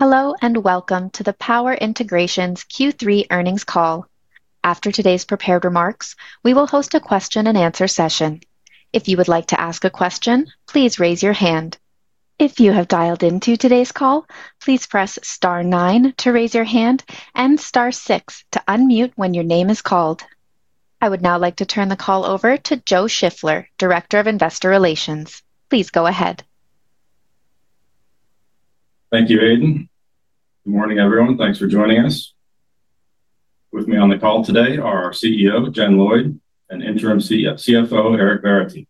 Hello and welcome to the Power Integrations Q3 Earnings Call. After today's prepared remarks, we will host a question-and-answer session. If you would like to ask a question, please raise your hand. If you have dialed into today's call, please press star nine to raise your hand and star six to unmute when your name is called. I would now like to turn the call over to Joe Shiffler, Director of Investor Relations. Please go ahead. Thank you, Hayden. Good morning, everyone. Thanks for joining us. With me on the call today are our CEO, Jen Lloyd, and Interim CFO, Eric Verity.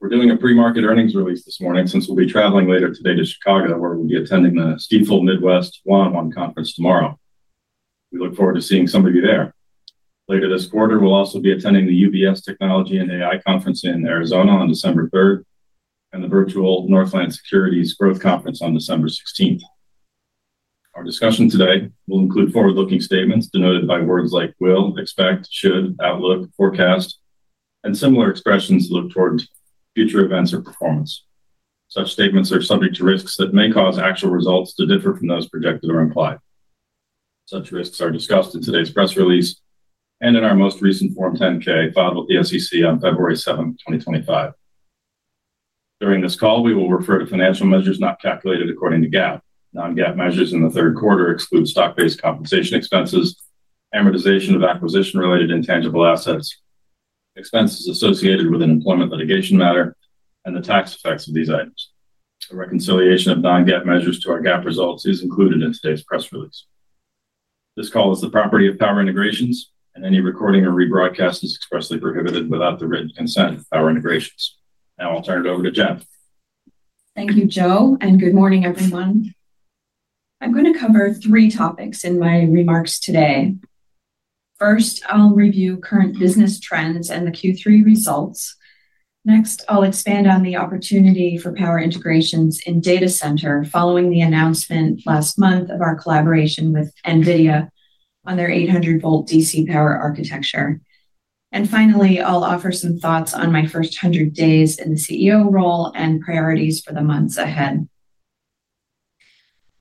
We're doing a pre-market earnings release this morning since we'll be traveling later today to Chicago, where we'll be attending the Stifel Midwest 1x1 Conference tomorrow. We look forward to seeing some of you there. Later this quarter, we'll also be attending the UBS Technology and AI Conference in Arizona on December 3rd and the Virtual Northland Securities Growth Conference on December 16th. Our discussion today will include forward-looking statements denoted by words like will, expect, should, outlook, forecast, and similar expressions that look toward future events or performance. Such statements are subject to risks that may cause actual results to differ from those projected or implied. Such risks are discussed in today's press release and in our most recent Form 10-K filed with the SEC on February 7th, 2025. During this call, we will refer to financial measures not calculated according to GAAP. Non-GAAP measures in the third quarter exclude stock-based compensation expenses, amortization of acquisition-related intangible assets, expenses associated with an employment litigation matter, and the tax effects of these items. A reconciliation of non-GAAP measures to our GAAP results is included in today's press release. This call is the property of Power Integrations, and any recording or rebroadcast is expressly prohibited without the written consent of Power Integrations. Now I'll turn it over to Jen. Thank you, Joe, and good morning, everyone. I'm going to cover three topics in my remarks today. First, I'll review current business trends and the Q3 results. Next, I'll expand on the opportunity for Power Integrations in data center following the announcement last month of our collaboration with NVIDIA on their 800-volt DC power architecture. Finally, I'll offer some thoughts on my first 100 days in the CEO role and priorities for the months ahead.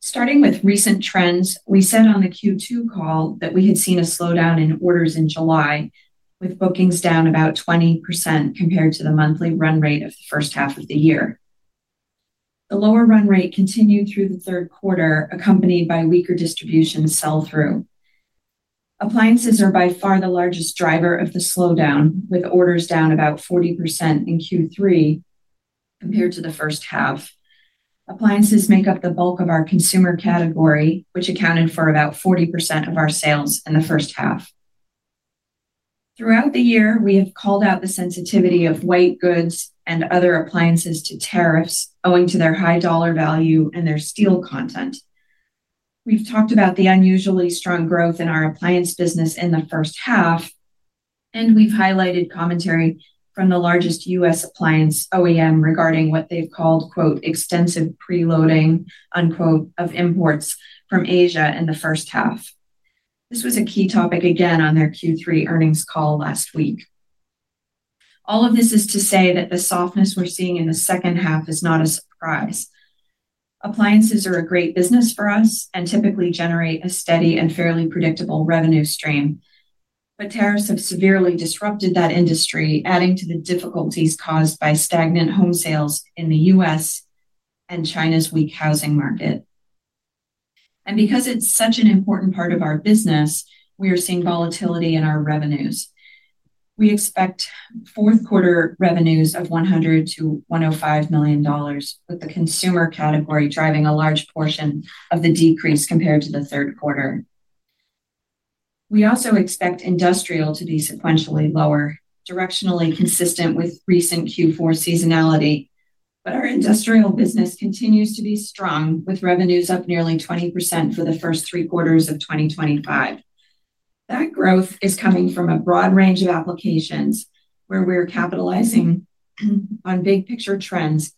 Starting with recent trends, we said on the Q2 call that we had seen a slowdown in orders in July, with bookings down about 20% compared to the monthly run rate of the first half of the year. The lower run rate continued through the third quarter, accompanied by weaker distribution sell-through. Appliances are by far the largest driver of the slowdown, with orders down about 40% in Q3 compared to the first half. Appliances make up the bulk of our consumer category, which accounted for about 40% of our sales in the first half. Throughout the year, we have called out the sensitivity of white goods and other appliances to tariffs owing to their high dollar value and their steel content. We have talked about the unusually strong growth in our appliance business in the first half. We have highlighted commentary from the largest U.S. appliance OEM regarding what they have called, "Extensive preloading." Of imports from Asia in the first half. This was a key topic again on their Q3 earnings call last week. All of this is to say that the softness we are seeing in the second half is not a surprise. Appliances are a great business for us and typically generate a steady and fairly predictable revenue stream. Tariffs have severely disrupted that industry, adding to the difficulties caused by stagnant home sales in the U.S. and China's weak housing market. Because it's such an important part of our business, we are seeing volatility in our revenues. We expect fourth-quarter revenues of $100 million-$105 million, with the consumer category driving a large portion of the decrease compared to the third quarter. We also expect industrial to be sequentially lower, directionally consistent with recent Q4 seasonality. Our industrial business continues to be strong, with revenues up nearly 20% for the first three quarters of 2025. That growth is coming from a broad range of applications where we're capitalizing on big-picture trends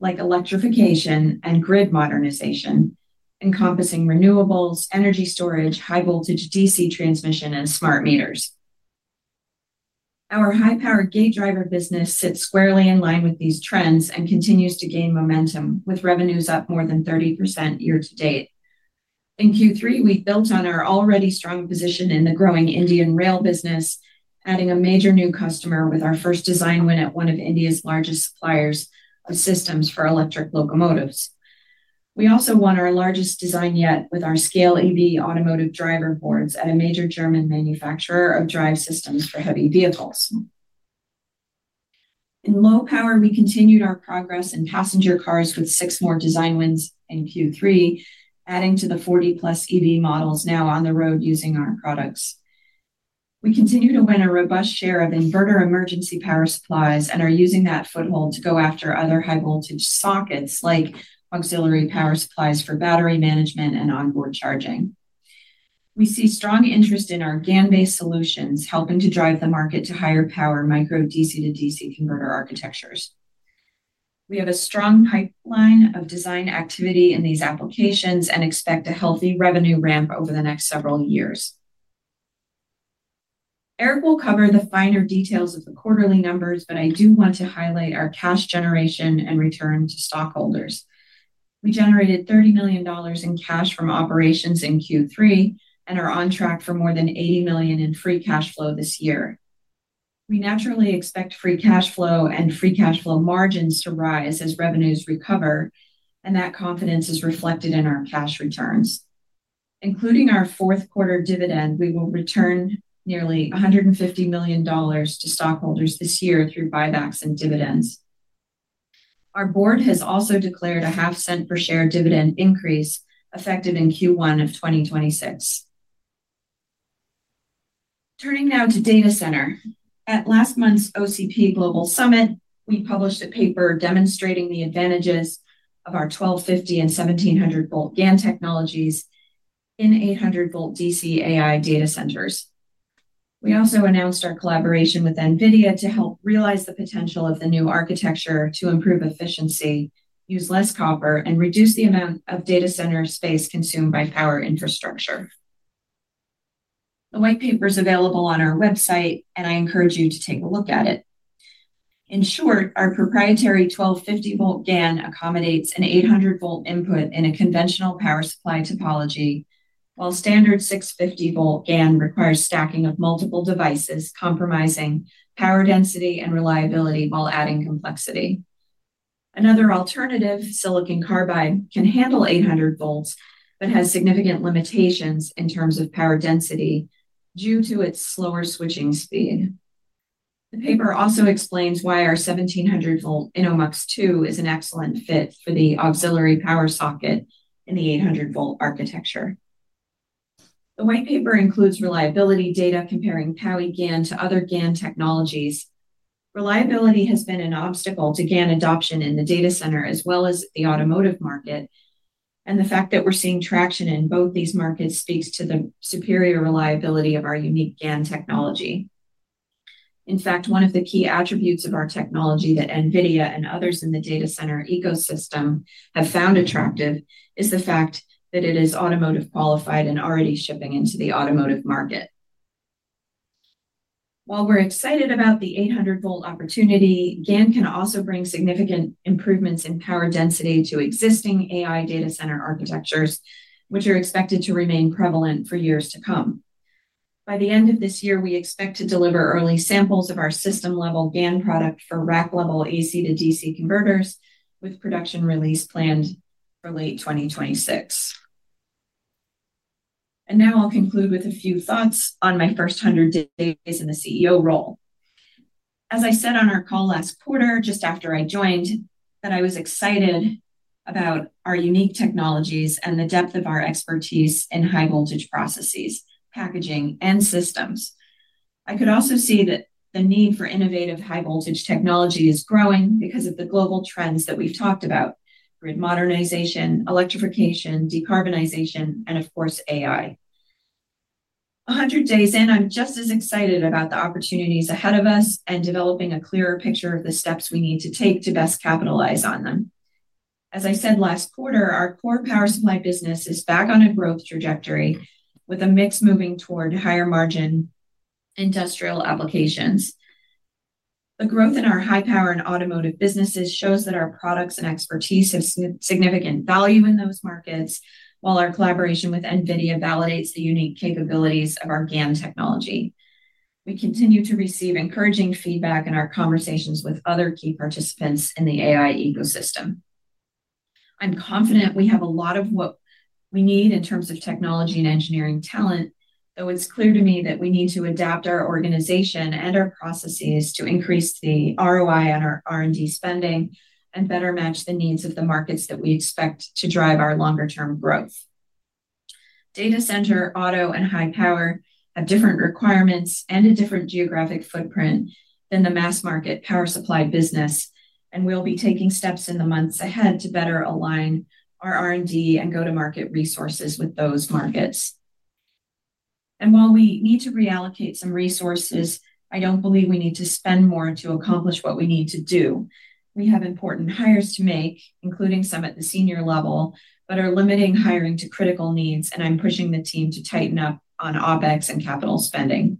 like electrification and grid modernization, encompassing renewables, energy storage, high-voltage DC transmission, and smart meters. Our high-power gate driver business sits squarely in line with these trends and continues to gain momentum, with revenues up more than 30% year-to-date. In Q3, we built on our already strong position in the growing Indian rail business, adding a major new customer with our first design win at one of India's largest suppliers of systems for electric locomotives. We also won our largest design yet with our scale EV automotive driver boards at a major German manufacturer of drive systems for heavy vehicles. In low power, we continued our progress in passenger cars with six more design wins in Q3, adding to the 40+ EV models now on the road using our products. We continue to win a robust share of inverter emergency power supplies and are using that foothold to go after other high-voltage sockets like auxiliary power supplies for battery management and onboard charging. We see strong interest in our GaN-based solutions, helping to drive the market to higher power micro DC-to-DC converter architectures. We have a strong pipeline of design activity in these applications and expect a healthy revenue ramp over the next several years. Eric will cover the finer details of the quarterly numbers, but I do want to highlight our cash generation and return to stockholders. We generated $30 million in cash from operations in Q3 and are on track for more than $80 million in free cash flow this year. We naturally expect free cash flow and free cash flow margins to rise as revenues recover, and that confidence is reflected in our cash returns. Including our fourth-quarter dividend, we will return nearly $150 million to stockholders this year through buybacks and dividends. Our Board has also declared a $0.005 per share dividend increase effective in Q1 of 2026. Turning now to data center. At last month's OCP Global Summit, we published a paper demonstrating the advantages of our 1250 and 1700-volt GaN technologies in 800-volt DC AI data centers. We also announced our collaboration with NVIDIA to help realize the potential of the new architecture to improve efficiency, use less copper, and reduce the amount of data center space consumed by power infrastructure. The white paper is available on our website, and I encourage you to take a look at it. In short, our proprietary 1250-volt GaN accommodates an 800-volt input in a conventional power supply topology, while standard 650-volt GaN requires stacking of multiple devices, compromising power density and reliability while adding complexity. Another alternative, silicon carbide, can handle 800 volts but has significant limitations in terms of power density due to its slower switching speed. The paper also explains why our 1700-volt InnoMux-2 is an excellent fit for the auxiliary power socket in the 800-volt architecture. The white paper includes reliability data comparing PowiGaN to other GaN technologies. Reliability has been an obstacle to GaN adoption in the data center as well as the automotive market. The fact that we're seeing traction in both these markets speaks to the superior reliability of our unique GaN technology. In fact, one of the key attributes of our technology that NVIDIA and others in the data center ecosystem have found attractive is the fact that it is automotive qualified and already shipping into the automotive market. While we're excited about the 800-volt opportunity, GaN can also bring significant improvements in power density to existing AI data center architectures, which are expected to remain prevalent for years to come. By the end of this year, we expect to deliver early samples of our system-level GaN product for rack-level AC-to-DC converters, with production release planned for late 2026. I will conclude with a few thoughts on my first 100 days in the CEO role. As I said on our call last quarter, just after I joined, I was excited about our unique technologies and the depth of our expertise in high-voltage processes, packaging, and systems. I could also see that the need for innovative high-voltage technology is growing because of the global trends that we have talked about: grid modernization, electrification, decarbonization, and of course, AI. A hundred days in, I am just as excited about the opportunities ahead of us and developing a clearer picture of the steps we need to take to best capitalize on them. As I said last quarter, our core power supply business is back on a growth trajectory with a mix moving toward higher-margin industrial applications. The growth in our high-power and automotive businesses shows that our products and expertise have significant value in those markets, while our collaboration with NVIDIA validates the unique capabilities of our GaN technology. We continue to receive encouraging feedback in our conversations with other key participants in the AI ecosystem. I'm confident we have a lot of what we need in terms of technology and engineering talent, though it's clear to me that we need to adapt our organization and our processes to increase the ROI on our R&D spending and better match the needs of the markets that we expect to drive our longer-term growth. Data center, auto, and high power have different requirements and a different geographic footprint than the mass-market power supply business, and we will be taking steps in the months ahead to better align our R&D and go-to-market resources with those markets. While we need to reallocate some resources, I do not believe we need to spend more to accomplish what we need to do. We have important hires to make, including some at the senior level, but are limiting hiring to critical needs, and I am pushing the team to tighten up on OpEx and capital spending.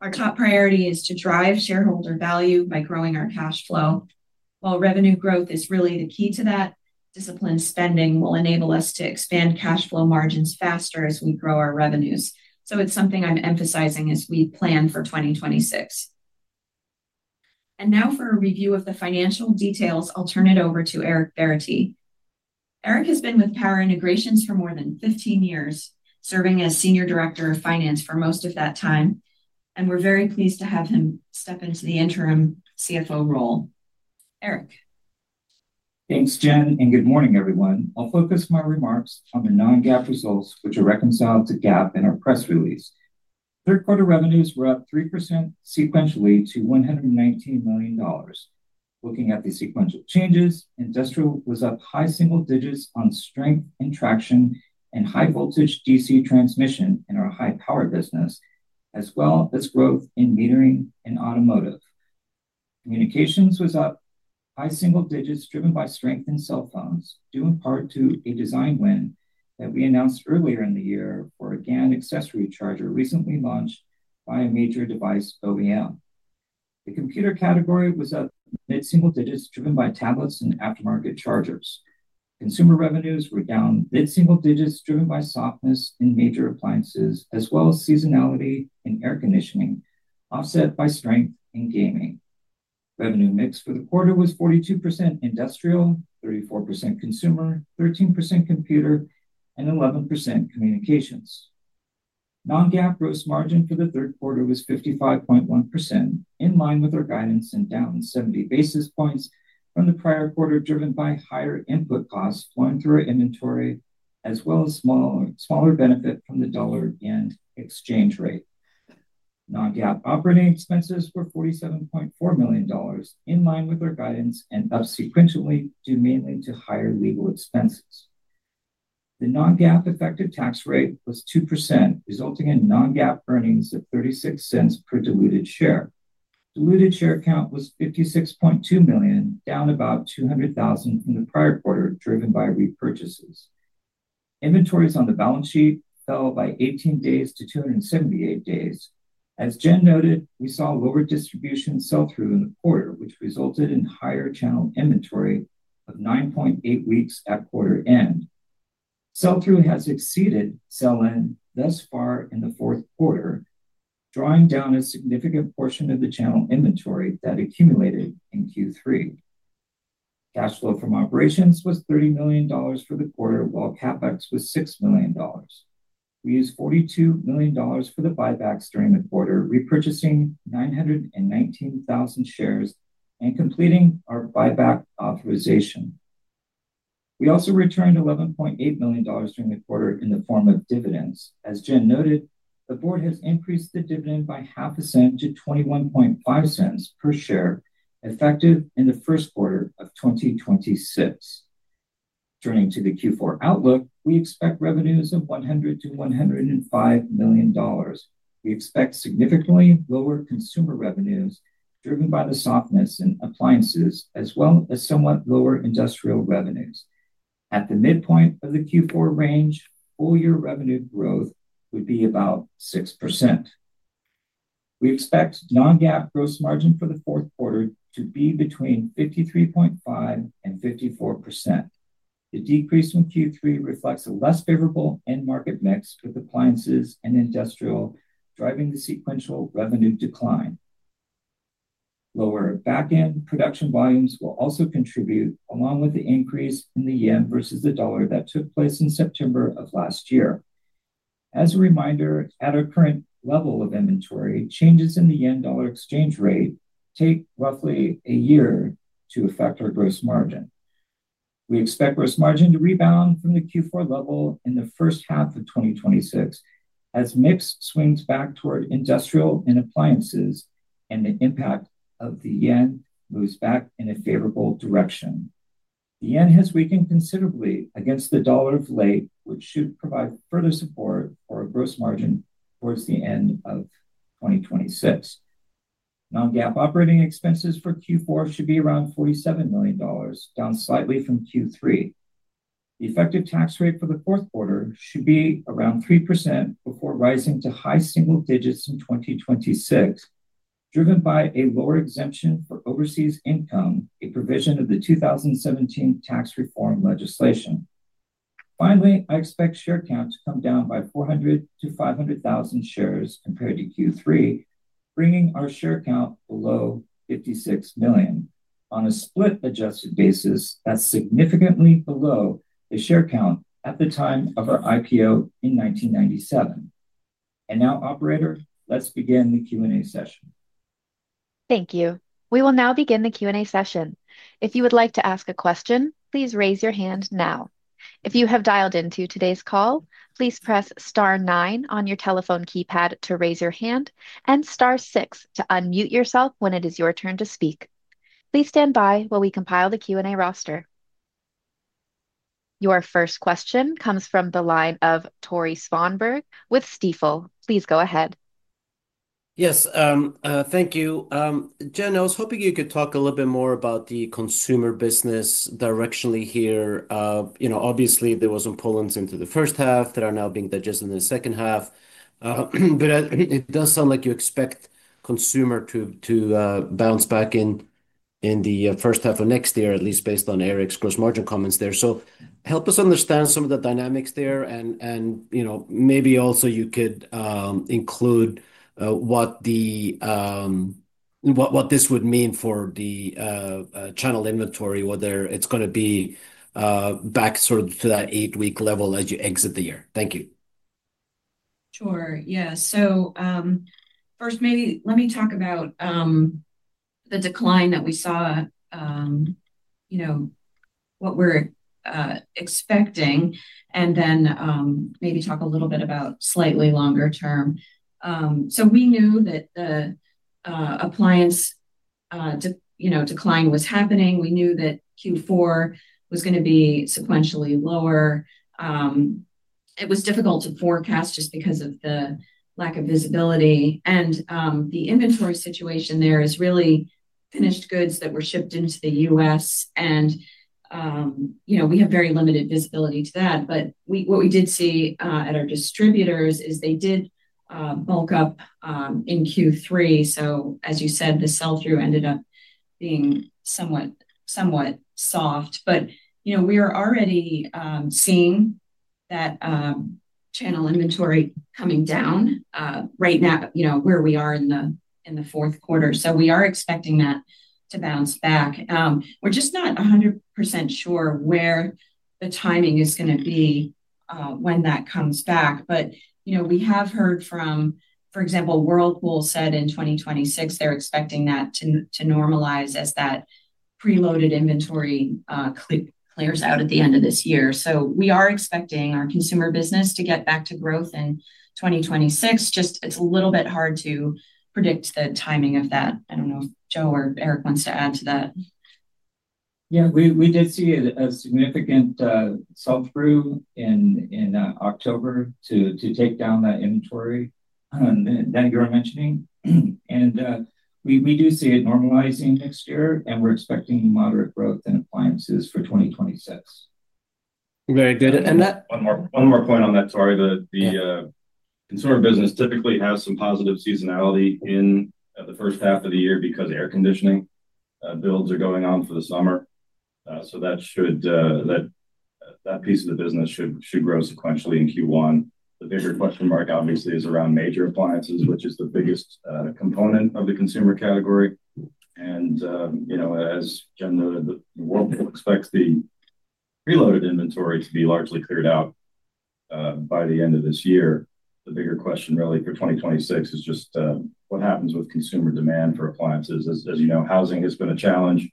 Our top priority is to drive shareholder value by growing our cash flow. While revenue growth is really the key to that, disciplined spending will enable us to expand cash flow margins faster as we grow our revenues. It is something I am emphasizing as we plan for 2026. Now for a review of the financial details, I'll turn it over to Eric Verity. Eric has been with Power Integrations for more than 15 years, serving as Senior Director of Finance for most of that time, and we're very pleased to have him step into the interim CFO role. Eric. Thanks, Jen, and good morning, everyone. I'll focus my remarks on the non-GAAP results, which are reconciled to GAAP in our press release. Third-quarter revenues were up 3% sequentially to $119 million. Looking at the sequential changes, industrial was up high single digits on strength and traction in high-voltage DC transmission in our high-power business, as well as growth in metering and automotive. Communications was up high single digits, driven by strength in cell phones, due in part to a design win that we announced earlier in the year for a GaN accessory charger recently launched by a major device OEM. The computer category was up mid-single digits, driven by tablets and aftermarket chargers. Consumer revenues were down mid-single digits, driven by softness in major appliances, as well as seasonality in air conditioning, offset by strength in gaming. Revenue mix for the quarter was 42% industrial, 34% consumer, 13% computer, and 11% communications. Non-GAAP gross margin for the third quarter was 55.1%, in line with our guidance and down 70 basis points from the prior quarter, driven by higher input costs flowing through our inventory, as well as smaller benefit from the dollar and exchange rate. Non-GAAP operating expenses were $47.4 million, in line with our guidance and up sequentially due mainly to higher legal expenses. The non-GAAP effective tax rate was 2%, resulting in non-GAAP earnings of $0.36 per diluted share. Diluted share count was 56.2 million, down about 200,000 from the prior quarter, driven by repurchases. Inventories on the balance sheet fell by 18 days to 278 days. As Jen noted, we saw lower distribution sell-through in the quarter, which resulted in higher channel inventory of 9.8 weeks at quarter end. Sell-through has exceeded sell-in thus far in the fourth quarter, drawing down a significant portion of the channel inventory that accumulated in Q3. Cash flow from operations was $30 million for the quarter, while CapEx was $6 million. We used $42 million for the buybacks during the quarter, repurchasing 919,000 shares and completing our buyback authorization. We also returned $11.8 million during the quarter in the form of dividends. As Jen noted, the Board has increased the dividend by $0.005 to $0.215 per share, effective in the first quarter of 2026. Turning to the Q4 outlook, we expect revenues of $100 million-$105 million. We expect significantly lower consumer revenues, driven by the softness in appliances, as well as somewhat lower industrial revenues. At the midpoint of the Q4 range, full-year revenue growth would be about 6%. We expect non-GAAP gross margin for the fourth quarter to be between 53.5% and 54%. The decrease in Q3 reflects a less favorable end market mix with appliances and industrial, driving the sequential revenue decline. Lower back-end production volumes will also contribute, along with the increase in the yen versus the dollar that took place in September of last year. As a reminder, at our current level of inventory, changes in the yen-dollar exchange rate take roughly a year to affect our gross margin. We expect gross margin to rebound from the Q4 level in the first half of 2026 as mix swings back toward industrial and appliances, and the impact of the yen moves back in a favorable direction. The yen has weakened considerably against the dollar of late, which should provide further support for a gross margin towards the end of 2026. Non-GAAP operating expenses for Q4 should be around $47 million, down slightly from Q3. The effective tax rate for the fourth quarter should be around 3% before rising to high single digits in 2026, driven by a lower exemption for overseas income, a provision of the 2017 tax reform legislation. Finally, I expect share count to come down by 400,000-500,000 shares compared to Q3, bringing our share count below 56 million. On a split-adjusted basis, that's significantly below the share count at the time of our IPO in 1997. Now, Operator, let's begin the Q&A session. Thank you. We will now begin the Q&A session. If you would like to ask a question, please raise your hand now. If you have dialed into today's call, please press star nine on your telephone keypad to raise your hand and star six to unmute yourself when it is your turn to speak. Please stand by while we compile the Q&A roster. Your first question comes from the line of Tore Svanberg with Stifel. Please go ahead. Yes, thank you. Jen, I was hoping you could talk a little bit more about the consumer business directionally here. Obviously, there were some pull-ins into the first half that are now being digested in the second half. It does sound like you expect consumer to bounce back in the first half of next year, at least based on Eric's gross margin comments there. Help us understand some of the dynamics there. Maybe also you could include what this would mean for the channel inventory, whether it's going to be back sort of to that eight-week level as you exit the year. Thank you. Sure. Yeah. So first, maybe let me talk about the decline that we saw, what we're expecting, and then maybe talk a little bit about slightly longer term. We knew that the appliance decline was happening. We knew that Q4 was going to be sequentially lower. It was difficult to forecast just because of the lack of visibility. The inventory situation there is really finished goods that were shipped into the U.S. We have very limited visibility to that. What we did see at our distributors is they did bulk up in Q3. As you said, the sell-through ended up being somewhat soft. We are already seeing that channel inventory coming down right now where we are in the fourth quarter. We are expecting that to bounce back. We're just not 100% sure where the timing is going to be when that comes back. We have heard from, for example, Whirlpool said in 2026 they're expecting that to normalize as that preloaded inventory clears out at the end of this year. We are expecting our consumer business to get back to growth in 2026. It's a little bit hard to predict the timing of that. I don't know if Joe or Eric wants to add to that. Yeah, we did see a significant sell-through in October to take down that inventory that you were mentioning. We do see it normalizing next year, and we're expecting moderate growth in appliances for 2026. Very good. And that. One more point on that, Tore. The consumer business typically has some positive seasonality in the first half of the year because air conditioning builds are going on for the summer. That piece of the business should grow sequentially in Q1. The bigger question mark, obviously, is around major appliances, which is the biggest component of the consumer category. As Jen noted, Whirlpool expects the preloaded inventory to be largely cleared out by the end of this year. The bigger question really for 2026 is just what happens with consumer demand for appliances. As you know, housing has been a challenge,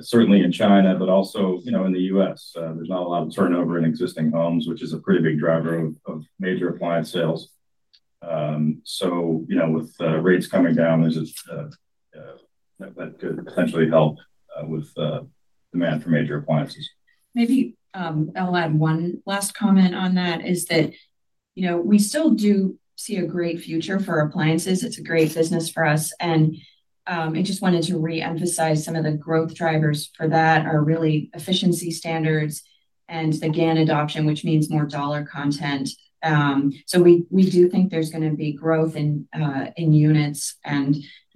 certainly in China, but also in the U.S. There is not a lot of turnover in existing homes, which is a pretty big driver of major appliance sales. With rates coming down, that could potentially help with demand for major appliances. Maybe I'll add one last comment on that is that we still do see a great future for appliances. It's a great business for us. I just wanted to re-emphasize some of the growth drivers for that are really efficiency standards and the GaN adoption, which means more dollar content. We do think there's going to be growth in units.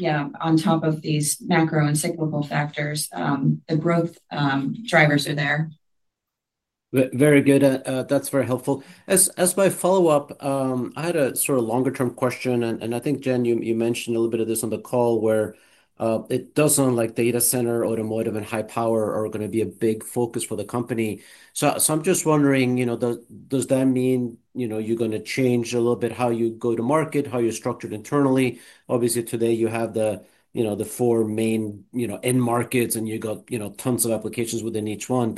Yeah, on top of these macro and cyclical factors, the growth drivers are there. Very good. That's very helpful. As my follow-up, I had a sort of longer-term question. I think, Jen, you mentioned a little bit of this on the call where it does sound like data center, automotive, and high power are going to be a big focus for the company. I'm just wondering. Does that mean you're going to change a little bit how you go to market, how you're structured internally? Obviously, today you have the four main end markets, and you got tons of applications within each one.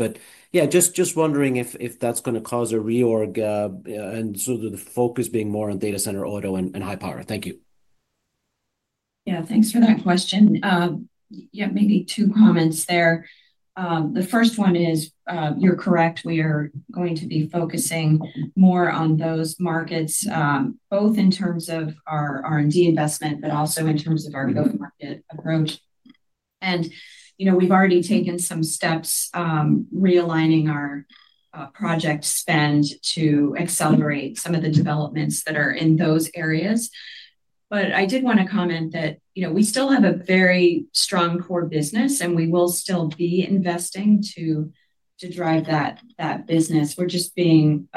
Yeah, just wondering if that's going to cause a reorg and sort of the focus being more on data center, auto, and high power. Thank you. Yeah, thanks for that question. Maybe two comments there. The first one is you're correct. We are going to be focusing more on those markets, both in terms of our R&D investment, but also in terms of our go-to-market approach. We've already taken some steps, realigning our project spend to accelerate some of the developments that are in those areas. I did want to comment that we still have a very strong core business, and we will still be investing to drive that business. We're just being,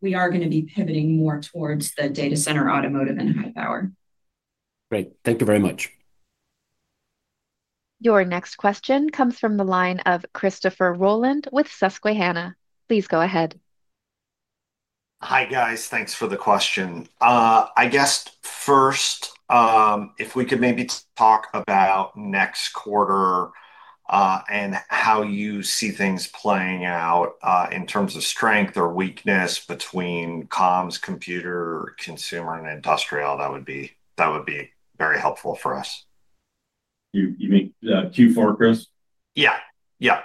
we are going to be pivoting more towards the data center, automotive, and high power. Great. Thank you very much. Your next question comes from the line of Christopher Rolland with Susquehanna. Please go ahead. Hi, guys. Thanks for the question. I guess first, if we could maybe talk about next quarter and how you see things playing out in terms of strength or weakness between comms, computer, consumer, and industrial, that would be very helpful for us. You mean Q4, Chris? Yeah. Yeah.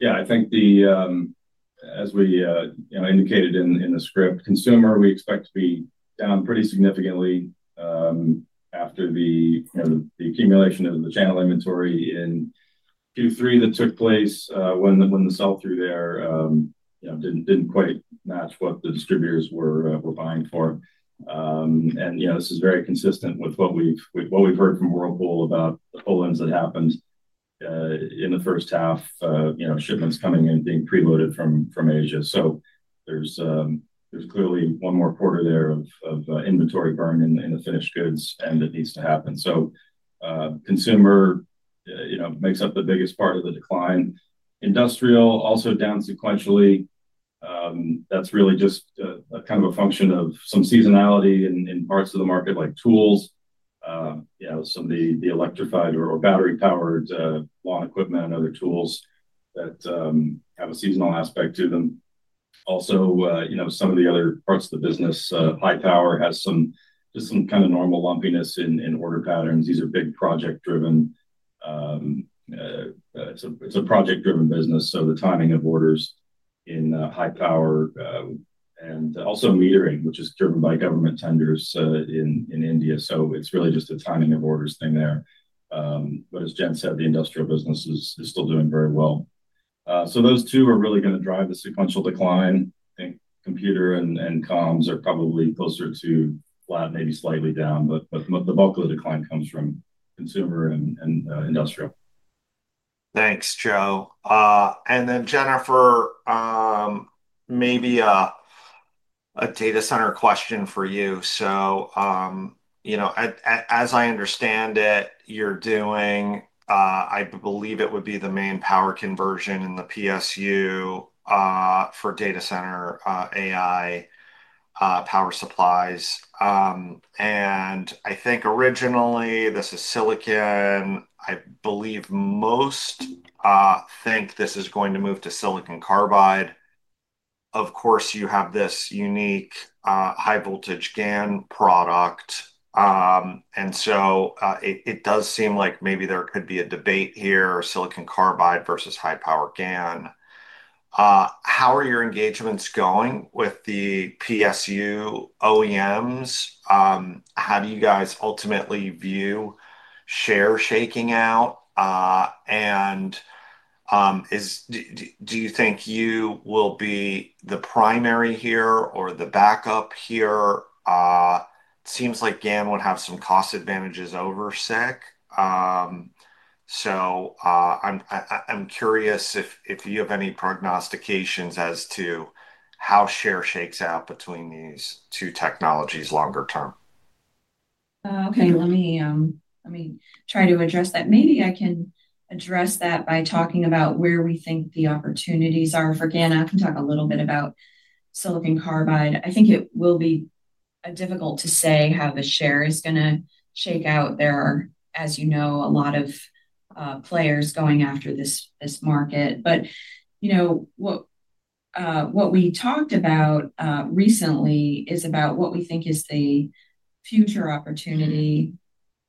Yeah. I think. As we indicated in the script, consumer, we expect to be down pretty significantly. After the accumulation of the channel inventory in Q3 that took place when the sell-through there didn't quite match what the distributors were buying for. This is very consistent with what we've heard from Whirlpool about the pull-ins that happened in the first half, shipments coming in being preloaded from Asia. There is clearly one more quarter there of inventory burn in the finished goods, and it needs to happen. Consumer makes up the biggest part of the decline. Industrial, also down sequentially. That's really just kind of a function of some seasonality in parts of the market like tools. Some of the electrified or battery-powered lawn equipment and other tools that have a seasonal aspect to them. Also, some of the other parts of the business, high power, has just some kind of normal lumpiness in order patterns. These are big project-driven. It's a project-driven business. The timing of orders in high power. Also metering, which is driven by government tenders in India. It's really just a timing of orders thing there. As Jen said, the industrial business is still doing very well. Those two are really going to drive the sequential decline. I think computer and comms are probably closer to flat, maybe slightly down. The bulk of the decline comes from consumer and industrial. Thanks, Joe. And then, Jennifer. Maybe. A data center question for you. As I understand it, you're doing, I believe it would be the main power conversion in the PSU for data center AI power supplies. I think originally this is silicon. I believe most think this is going to move to silicon carbide. Of course, you have this unique high-voltage GaN product. It does seem like maybe there could be a debate here, silicon carbide versus high-power GaN. How are your engagements going with the PSU OEMs? How do you guys ultimately view share shaking out? Do you think you will be the primary here or the backup here? It seems like GaN would have some cost advantages over SiC. I'm curious if you have any prognostications as to how share shakes out between these two technologies longer term. Okay. Let me try to address that. Maybe I can address that by talking about where we think the opportunities are for GaN. I can talk a little bit about silicon carbide. I think it will be difficult to say how the share is going to shake out. There are, as you know, a lot of players going after this market. What we talked about recently is about what we think is the future opportunity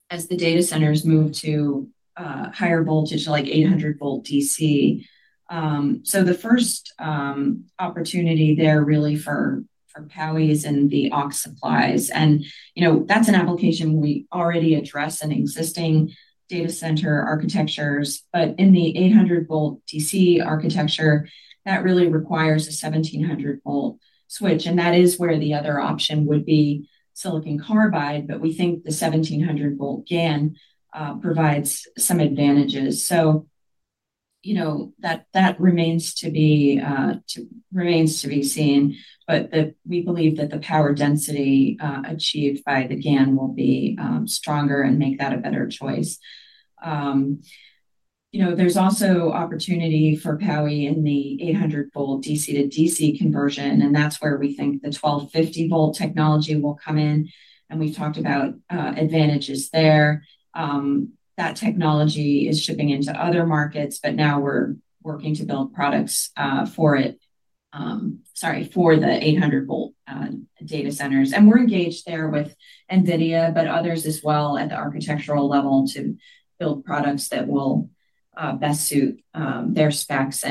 as the data centers move to higher voltage, like 800-volt DC. The first opportunity there really for Powis is in the aux supplies. That's an application we already address in existing data center architectures. In the 800-volt DC architecture, that really requires a 1700-volt switch. The other option would be silicon carbide, but we think the 1700-volt GaN provides some advantages. That remains to be seen. We believe that the power density achieved by the GaN will be stronger and make that a better choice. There's also opportunity for POWI in the 800-volt DC-to-DC conversion. That's where we think the 1250-volt technology will come in. We've talked about advantages there. That technology is shipping into other markets, but now we're working to build products for it, for the 800-volt data centers. We're engaged there with NVIDIA, but others as well at the architectural level to build products that will best suit their specs.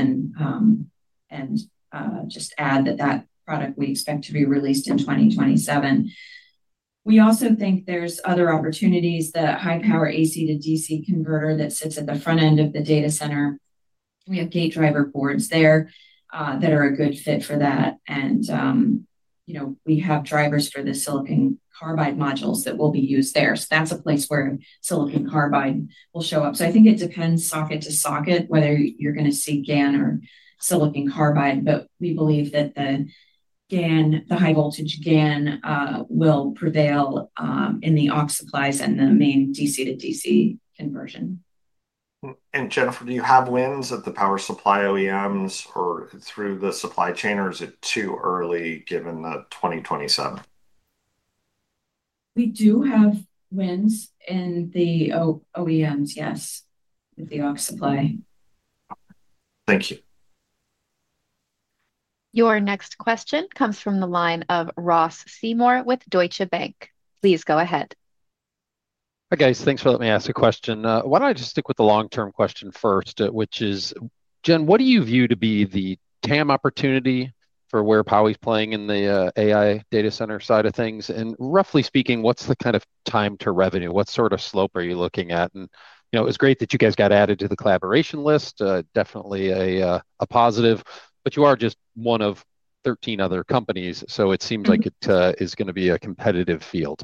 Just add that that product we expect to be released in 2027. We also think there's other opportunities, the high-power AC-to-DC converter that sits at the front end of the data center. We have gate driver boards there that are a good fit for that. We have drivers for the silicon carbide modules that will be used there. So that's a place where silicon carbide will show up. I think it depends socket to socket whether you're going to see GaN or silicon carbide. We believe that the high-voltage GaN will prevail in the aux supplies and the main DC-to-DC conversion. Jennifer, do you have wins at the power supply OEMs or through the supply chain, or is it too early given the 2027? We do have wins in the OEMs, yes, with the aux supply. Thank you. Your next question comes from the line of Ross Seymore with Deutsche Bank. Please go ahead. Hi, guys. Thanks for letting me ask a question. Why do not I just stick with the long-term question first, which is, Jen, what do you view to be the TAM opportunity for where POWI is playing in the AI data center side of things? And roughly speaking, what is the kind of time to revenue? What sort of slope are you looking at? It was great that you guys got added to the collaboration list. Definitely a positive. You are just one of 13 other companies, so it seems like it is going to be a competitive field.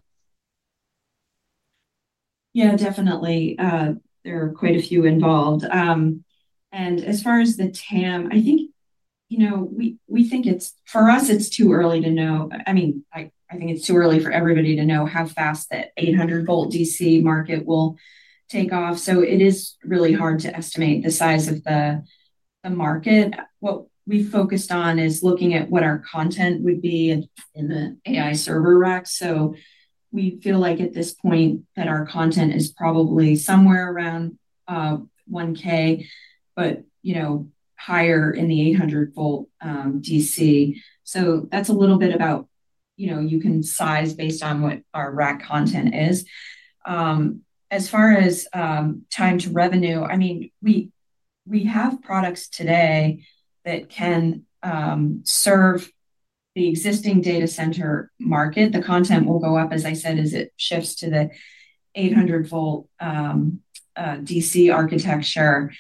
Yeah, definitely. There are quite a few involved. As far as the TAM, I think we think for us, it's too early to know. I mean, I think it's too early for everybody to know how fast the 800-volt DC market will take off. It is really hard to estimate the size of the market. What we focused on is looking at what our content would be in the AI server rack. We feel like at this point that our content is probably somewhere around 1,000, but higher in the 800-volt DC. That's a little bit about how you can size based on what our rack content is. As far as time to revenue, I mean, we have products today that can serve the existing data center market. The content will go up, as I said, as it shifts to the 800-volt DC architecture.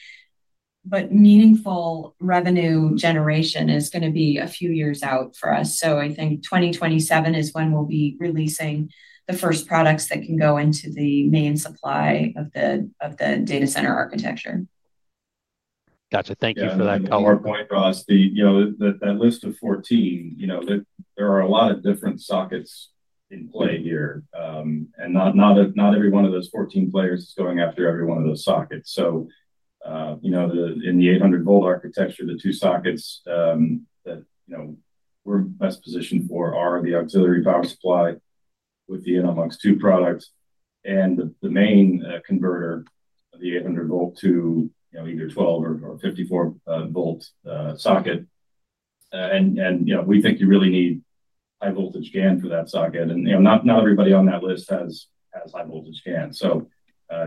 Meaningful revenue generation is going to be a few years out for us. I think 2027 is when we'll be releasing the first products that can go into the main supply of the data center architecture. Gotcha. Thank you for that. One more point, Ross. That list of 14. There are a lot of different sockets in play here. Not every one of those 14 players is going after every one of those sockets. In the 800-volt architecture, the two sockets that we are best positioned for are the auxiliary power supply with the InnoMux-2 product and the main converter of the 800-volt to either 12 or 54-volt socket. We think you really need high-voltage GaN for that socket. Not everybody on that list has high-voltage GaN. It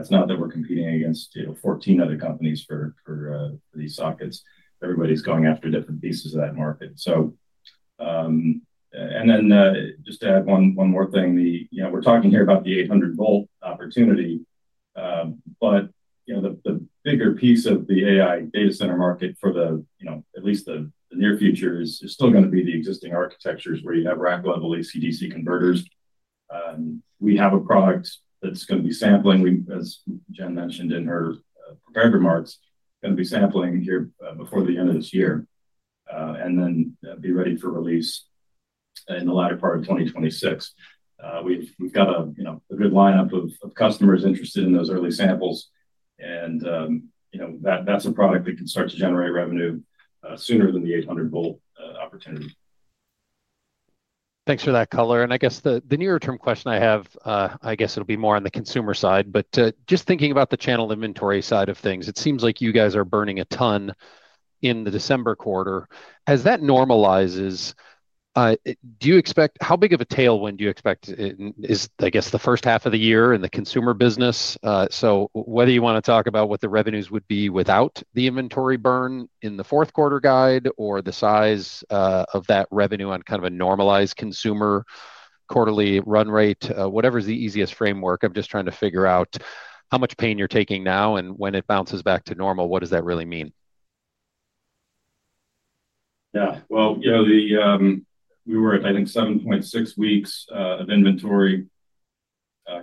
is not that we are competing against 14 other companies for these sockets. Everybody is going after different pieces of that market. Just to add one more thing, we are talking here about the 800-volt opportunity. The bigger piece of the AI data center market for at least the near future is still going to be the existing architectures where you have rack-level AC-to-DC converters. We have a product that's going to be sampling, as Jen mentioned in her prepared remarks, going to be sampling here before the end of this year. Then be ready for release in the latter part of 2026. We've got a good lineup of customers interested in those early samples. That's a product that can start to generate revenue sooner than the 800-volt opportunity. Thanks for that, Shiffler. I guess the near-term question I have, I guess it'll be more on the consumer side. Just thinking about the channel inventory side of things, it seems like you guys are burning a ton in the December quarter. As that normalizes, do you expect, how big of a tailwind do you expect is, I guess, the first half of the year in the consumer business? Whether you want to talk about what the revenues would be without the inventory burn in the fourth quarter guide or the size of that revenue on kind of a normalized consumer quarterly run rate, whatever is the easiest framework, I'm just trying to figure out how much pain you're taking now. When it bounces back to normal, what does that really mean? Yeah. We were, I think, 7.6 weeks of inventory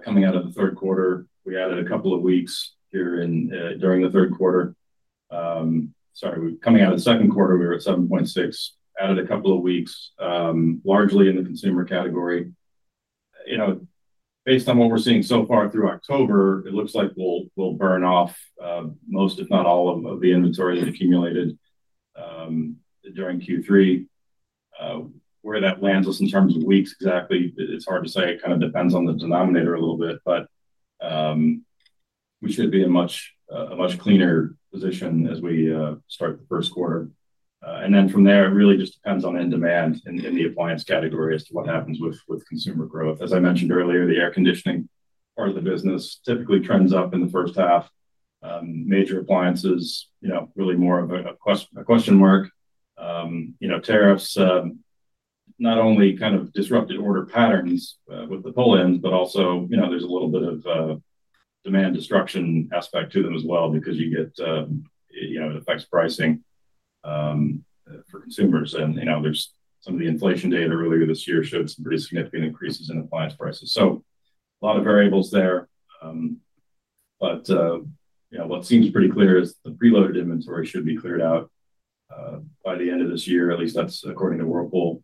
coming out of the third quarter. We added a couple of weeks here during the third quarter. Sorry, coming out of the second quarter, we were at 7.6. Added a couple of weeks, largely in the consumer category. Based on what we're seeing so far through October, it looks like we'll burn off most, if not all, of the inventory that accumulated during Q3. Where that lands us in terms of weeks exactly, it's hard to say. It kind of depends on the denominator a little bit. We should be in a much cleaner position as we start the first quarter. From there, it really just depends on end demand in the appliance category as to what happens with consumer growth. As I mentioned earlier, the air conditioning part of the business typically trends up in the first half. Major appliances, really more of a question mark. Tariffs not only kind of disrupted order patterns with the pull-ins, but also there's a little bit of demand destruction aspect to them as well because you get. It affects pricing for consumers. And some of the inflation data earlier this year showed some pretty significant increases in appliance prices. A lot of variables there. What seems pretty clear is the preloaded inventory should be cleared out by the end of this year. At least that's according to Whirlpool.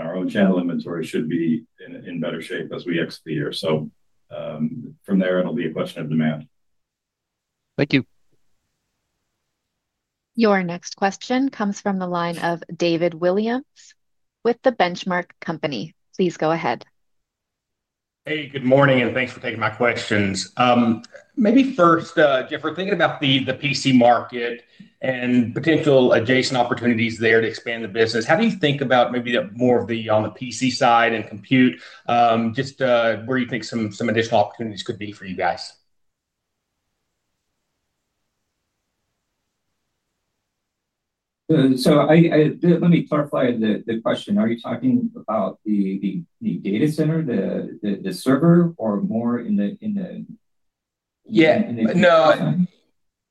Our own channel inventory should be in better shape as we exit the year. From there, it'll be a question of demand. Thank you. Your next question comes from the line of David Williams with The Benchmark Company. Please go ahead. Hey, good morning. Thanks for taking my questions. Maybe first, Jeff, we're thinking about the PC market and potential adjacent opportunities there to expand the business. How do you think about maybe more of the on the PC side and compute, just where you think some additional opportunities could be for you guys? Let me clarify the question. Are you talking about the data center, the server, or more in the. Yeah. No.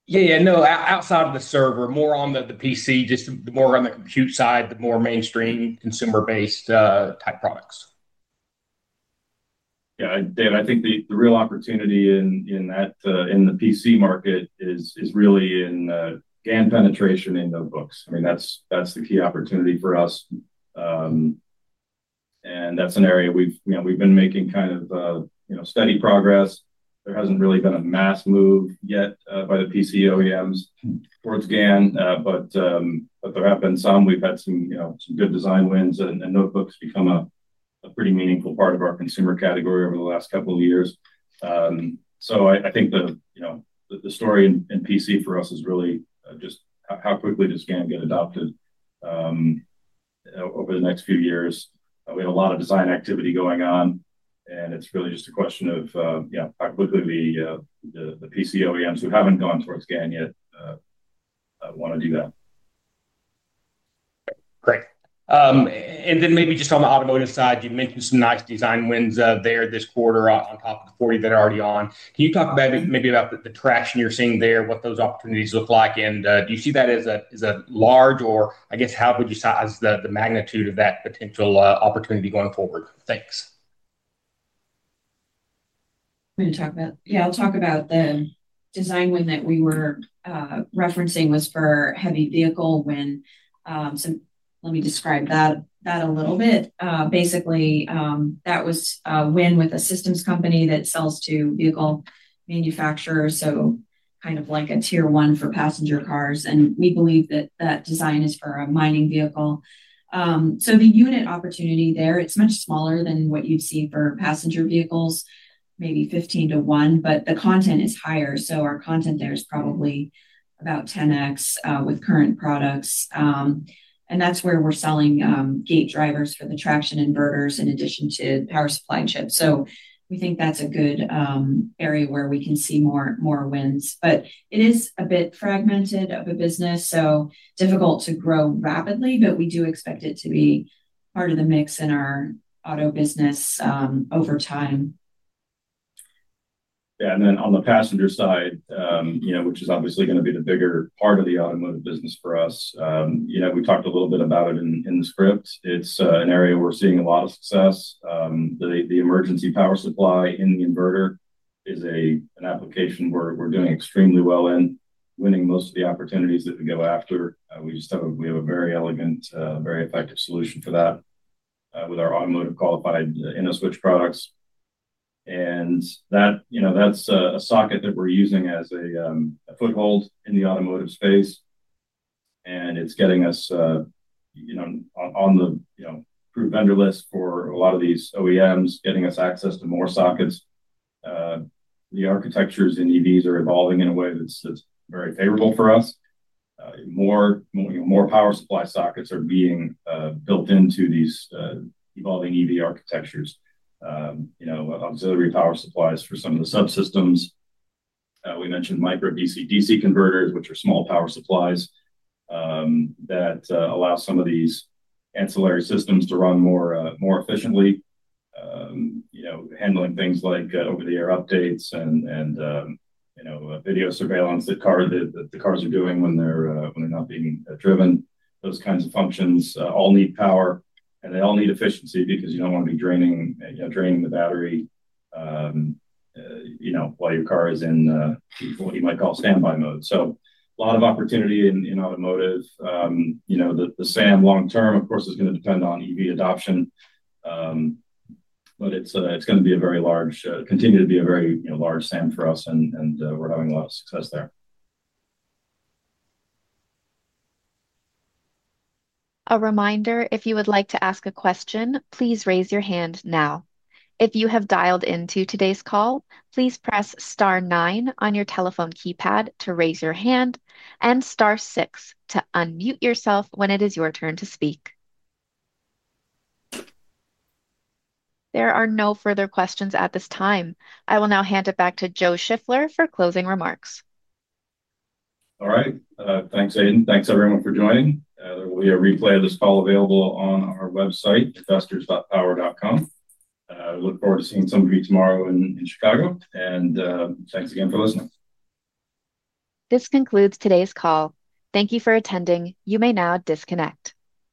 Yeah, no, outside of the server, more on the PC. Just more on the compute side, the more mainstream consumer-based type products. Yeah. David, I think the real opportunity in the PC market is really in GaN penetration in notebooks. I mean, that's the key opportunity for us. And that's an area we've been making kind of steady progress. There hasn't really been a mass move yet by the PC OEMs towards GaN. There have been some. We've had some good design wins, and notebooks become a pretty meaningful part of our consumer category over the last couple of years. I think the story in PC for us is really just how quickly does GaN get adopted. Over the next few years. We have a lot of design activity going on. And it's really just a question of how quickly the PC OEMs who haven't gone towards GaN yet want to do that. Great. Maybe just on the automotive side, you mentioned some nice design wins there this quarter on top of the 40 that are already on. Can you talk maybe about the traction you're seeing there, what those opportunities look like? Do you see that as a large, or I guess, how would you size the magnitude of that potential opportunity going forward? Thanks. I'm going to talk about, yeah, I'll talk about the design win that we were referencing was for heavy vehicle. Let me describe that a little bit. Basically, that was a win with a systems company that sells to vehicle manufacturers, so kind of like a Tier 1 for passenger cars. We believe that that design is for a mining vehicle. The unit opportunity there, it's much smaller than what you've seen for passenger vehicles, maybe 15:1, but the content is higher. Our content there is probably about 10x with current products. That's where we're selling gate drivers for the traction inverters in addition to power supply chips. We think that's a good area where we can see more wins. It is a bit fragmented of a business, so difficult to grow rapidly, but we do expect it to be part of the mix in our auto business over time. Yeah. On the passenger side, which is obviously going to be the bigger part of the automotive business for us, we talked a little bit about it in the script. It's an area we're seeing a lot of success. The emergency power supply in the inverter is an application where we're doing extremely well in winning most of the opportunities that we go after. We have a very elegant, very effective solution for that with our automotive qualified InnoSwitch products. That's a socket that we're using as a foothold in the automotive space, and it's getting us on the proven vendor list for a lot of these OEMs, getting us access to more sockets. The architectures in EVs are evolving in a way that's very favorable for us. More power supply sockets are being built into these evolving EV architectures. Auxiliary power supplies for some of the subsystems. We mentioned micro DC/DC converters, which are small power supplies that allow some of these ancillary systems to run more efficiently. Handling things like over-the-air updates and video surveillance that the cars are doing when they're not being driven. Those kinds of functions all need power, and they all need efficiency because you do not want to be draining the battery while your car is in what you might call standby mode. A lot of opportunity in automotive. The SAM long-term, of course, is going to depend on EV adoption, but it is going to be a very large, continue to be a very large SAM for us, and we're having a lot of success there. A reminder, if you would like to ask a question, please raise your hand now. If you have dialed into today's call, please press star nine on your telephone keypad to raise your hand and star six to unmute yourself when it is your turn to speak. There are no further questions at this time. I will now hand it back to Joe Shiffler for closing remarks. All right. Thanks, Hayden. Thanks, everyone, for joining. There will be a replay of this call available on our website, investors.power.com. We look forward to seeing some of you tomorrow in Chicago. Thanks again for listening. This concludes today's call. Thank you for attending. You may now disconnect.